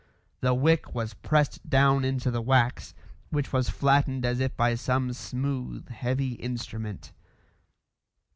The wick was pressed down into the wax, which was flattened as if by some smooth, heavy instrument.